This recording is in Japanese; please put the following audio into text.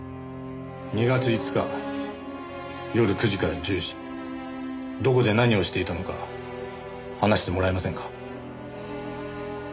２月５日夜９時から１０時どこで何をしていたのか話してもらえませんか？